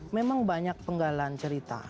memang banyak penggalan cerita